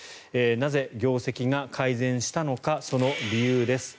なぜ、業績が改善したのかその理由です。